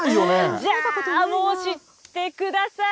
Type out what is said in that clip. じゃあ、もう知ってください。